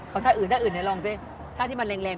เอาท่าอื่นลองเจ๊ท่าที่มันแรงกว่านี้